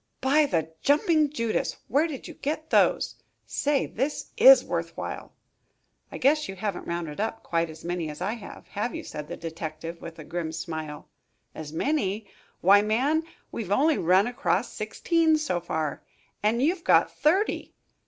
"By the jumping Judas! Where did you get those? Say, this is worth while." "I guess you haven't rounded up quite as many as I have, have you?" said the detective, with a grim smile. "As many? Why, man, we've only run across sixteen so far, and you've got thirty.